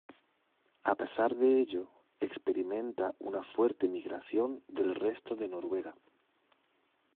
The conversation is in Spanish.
A pesar de ello, experimenta una fuerte migración del resto de Noruega.